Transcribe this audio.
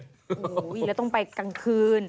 โอ้โหแล้วต้องไปกลางคืน